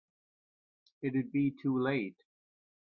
It'd be too late.